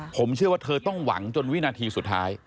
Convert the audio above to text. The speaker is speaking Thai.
ผมเชื่อว่าเธอต้องหวังจนวินาทีสุดท้าย